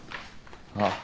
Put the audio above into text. ああ。